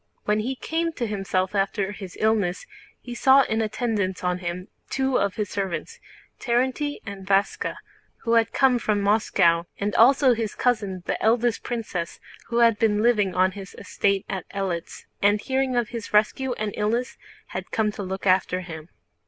When he came to himself after his illness he saw in attendance on him two of his servants, Terénty and Váska, who had come from Moscow; and also his cousin the eldest princess, who had been living on his estate at Eléts and hearing of his rescue and illness had come to look after him.